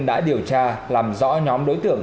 đã điều tra làm rõ nhóm đối tượng